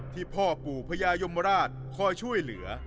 พ่อปู่พญายมราชคอยช่วยเหลือ